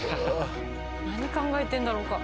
何考えてんだろうか？